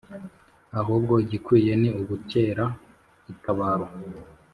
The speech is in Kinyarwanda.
Ahubwo igikwiye ni ugukera itabaro